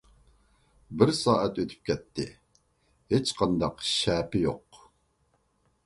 بىر سائەت ئۆتۈپ كەتتى، ھېچقانداق شەپە يوق.